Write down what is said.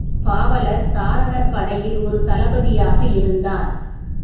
பாவலர் சாரணர் படையில் ஒரு தளபதியாக இருந்தார்.